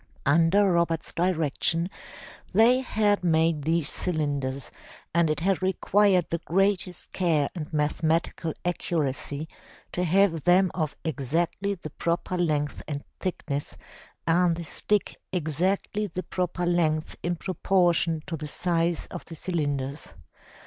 Under Robert's direction they had made these cylinders, and it had required the greatest care and mathematical accuracy to have them of exactly the proper length and thick ness, and the stick exactly the proper length in proportion to the size of the cylinders.